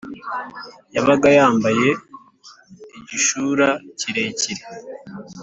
Yabaga yambaye igishura kirekire